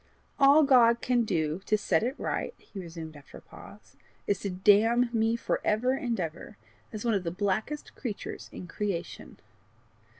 "All God can do to set it right," he resumed, after a pause, "is to damn me for ever and ever, as one of the blackest creatures in creation."